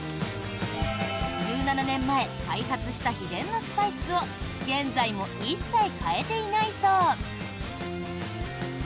１７年前、開発した秘伝のスパイスを現在も一切変えていないそう。